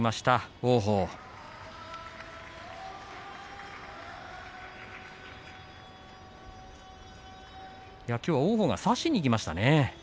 王鵬がきょうは差しにいきましたね。